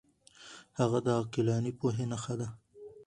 هغه د عقلاني پوهې نښه ده.